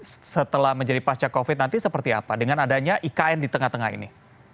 setelah menjadi pasca covid nanti seperti apa dengan adanya ikn di tengah tengah ini